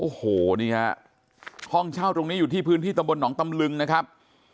โอ้โหนี่ฮะห้องเช่าตรงนี้อยู่ที่พื้นที่ตำบลหนองตำลึงนะครับ